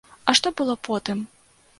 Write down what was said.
А што было потым?